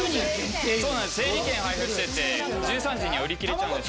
整理券配布してて１３時には売り切れちゃうんです。